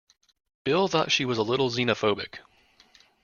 Bill thought she was a little xenophobic.